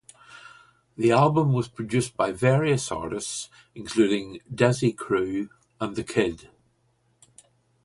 The album was produced by various artists including Desi Crew and The Kidd.